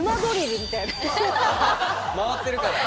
回ってるから。